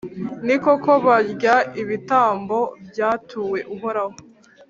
Ni koko, barya ibitambo byatuwe Uhoraho,